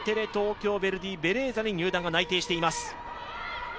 日テレ・ヴェルデイベレーザに入団が決まっています。